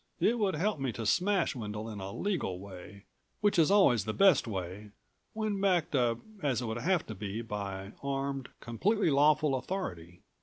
It would help me to smash Wendel in a legal way, which is always the best way, when backed up as it would have to be by armed, completely lawful authority.